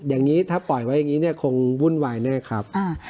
อย่างนี้ถ้าปล่อยไว้อย่างนี้เนี่ยคงวุ่นวายแน่ครับ